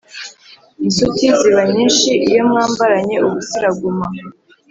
Insuti ziba nyinshi, iyo mwambaranye ubusa iraguma.